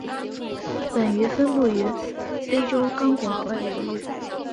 本鱼分布于非洲刚果河流域。